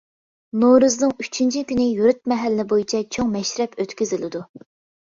نورۇزنىڭ ئۈچىنچى كۈنى يۇرت-مەھەللە بويىچە چوڭ مەشرەپ ئۆتكۈزۈلىدۇ.